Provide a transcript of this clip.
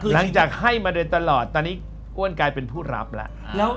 หลังจากให้มาโดยตลอดตอนนี้อ้วนกลายเป็นผู้รับแล้ว